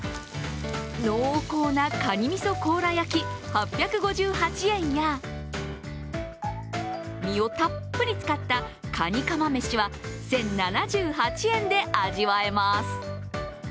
濃厚なかに味噌甲羅焼き８５８円や身をたっぷり使った蟹釜飯は１０７８円で味わえます。